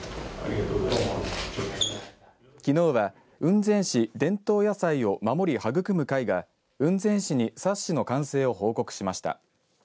きのうは雲仙市伝統野菜を守り育むの会が雲仙市に冊子の完成を報告しました。